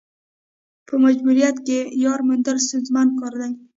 په مجبوریت کې یار موندل ستونزمن کار دی.